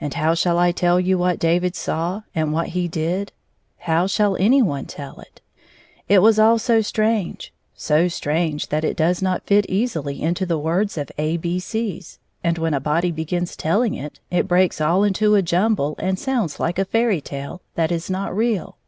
And how shall I tell you what David saw and what he didi How shall any one tell iti It was all so strange, so strange that it does not fit easily into the words of A B C's, and when a body begins telling it, it breaks all into a jumble and sounds like a fairy tale, that is not real.